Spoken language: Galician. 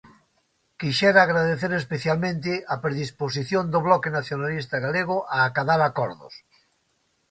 Quixera agradecer especialmente a predisposición do Bloque Nacionalista Galego a acadar acordos.